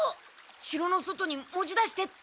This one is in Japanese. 城の外に持ち出してって。